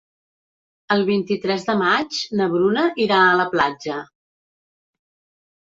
El vint-i-tres de maig na Bruna irà a la platja.